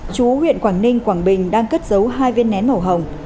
chú huyện quảng ninh quảng bình đang cất giấu hai viên nén màu hồng